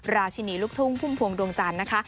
ราชินีลูกทุ่งพุ่มพวงดวงจันทร์นะคะ